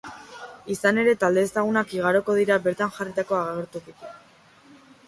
Izan ere, talde ezagunak igaroko dira bertan jarritako agertokitik.